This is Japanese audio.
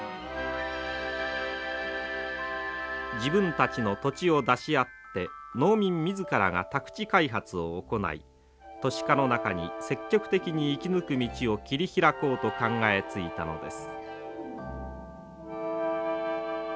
自分たちの土地を出し合って農民自らが宅地開発を行い都市化の中に積極的に生き抜く道を切り開こうと考えついたのです。